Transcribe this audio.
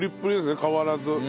変わらず。